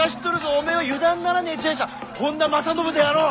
おめえは油断ならねえ知恵者本多正信であろう！